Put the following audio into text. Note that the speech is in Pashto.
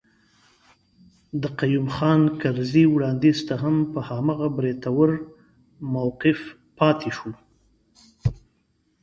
د قيوم خان کرزي وړانديز ته هم په هماغه بریتور موقف پاتي شو.